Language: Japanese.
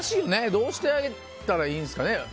どうしてあげたらいいんですかね。